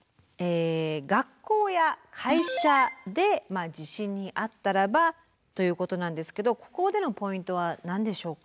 学校や会社で地震に遭ったらばということなんですけどここでのポイントは何でしょうか？